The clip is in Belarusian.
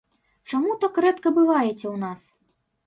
Чаму так рэдка бываеце ў нас?